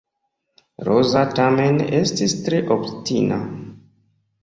Roza tamen estis tre obstina.